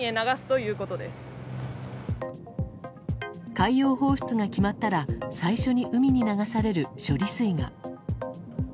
海洋放出が決まったら最初に海に流される処理水が。